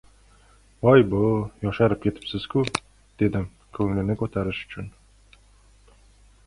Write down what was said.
— Voy-bo‘, yosharib ketibsiz-ku! — dedim ko‘nglini ko‘tarish uchun.